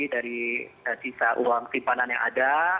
dari sisa uang simpanan yang ada